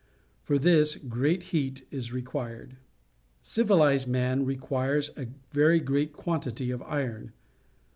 For this great heat is required. Civilized man requires a very great quantitj' of iron.